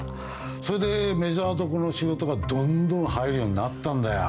それでメジャーどころの仕事がどんどん入るようになったんだよ。